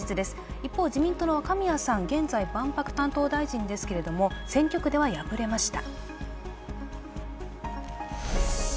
一方、自民党の若宮さん、万博担当大臣ですが、選挙区では敗れました。